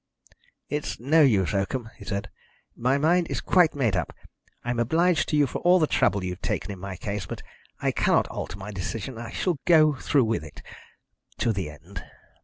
"It's no use, Oakham," he said. "My mind is quite made up. I'm obliged to you for all the trouble you have taken in my case, but I cannot alter my decision. I shall go through with it to the end."